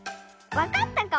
わかったかも？